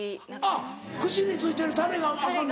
あっ串に付いてるタレがアカンの？